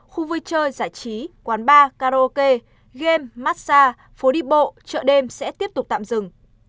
khu vui chơi giải trí quán bar karaoke game massage phố đi bộ chợ đêm sẽ tiếp tục tạm dừng